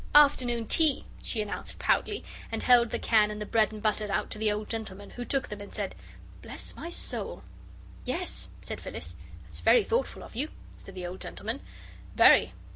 "Afternoon tea," she announced proudly, and held the can and the bread and butter out to the old gentleman, who took them and said: "Bless my soul!" "Yes," said Phyllis. "It's very thoughtful of you," said the old gentleman, "very."